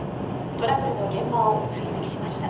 トラブルの現場を追跡しました。